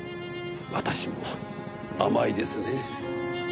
私も甘いですね。